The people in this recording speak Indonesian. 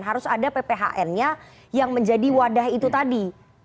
harus ada pphn nya yang menjadi wadah itu tadi